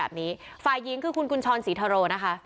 เลิกเลิกเลิกเลิกเลิกเลิกเลิกเลิก